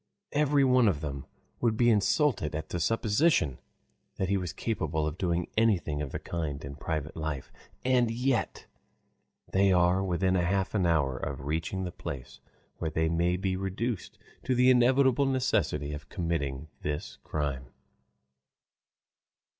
Every one of them would be insulted at the supposition that he was capable of doing anything of the kind in private life. And yet they are within half an hour of reaching the place where they may be reduced to the inevitable necessity of committing this crime.